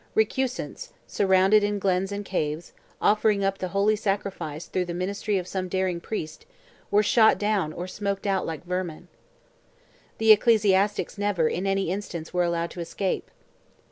Recusants, surrounded in glens and caves, offering up the holy sacrifice through the ministry of some daring priest, were shot down or smoked out like vermin. The ecclesiastics never, in any instance, were allowed to escape.